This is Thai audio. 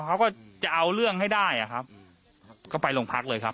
เขาก็จะเอาเรื่องให้ได้อ่ะครับก็ไปโรงพักเลยครับ